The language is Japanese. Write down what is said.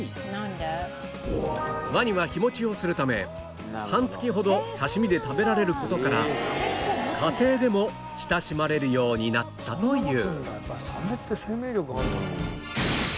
ワニは日持ちをするため半月ほど刺身で食べられる事から家庭でも親しまれるようになったという